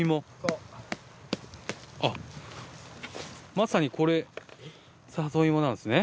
まさにこれ里芋なんですね。